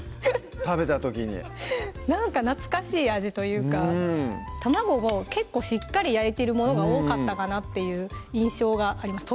食べた時になんか懐かしい味というか卵も結構しっかり焼いてるものが多かったかなっていう印象があります